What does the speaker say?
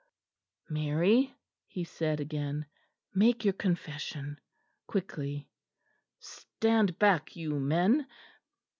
"Mary," he said again, "make your confession quickly. Stand back, you men."